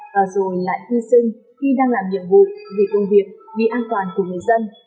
và rồi lại hy sinh khi đang làm nhiệm vụ vì công việc vì an toàn của người dân